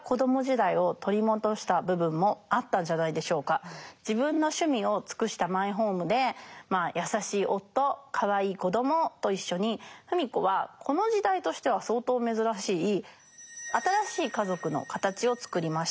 一方芙美子は自分の趣味を尽くしたマイホームで優しい夫かわいい子どもと一緒に芙美子はこの時代としては相当珍しい新しい家族の形をつくりました。